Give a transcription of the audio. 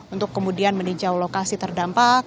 untuk kemudian meninjau lokasi terdampak